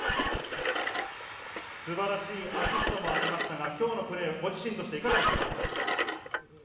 素晴らしいアシストもありましたが、今日のプレー、ご自身としていかがでしたか？